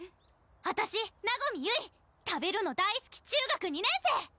あたし和実ゆい食べるの大すき中学２年生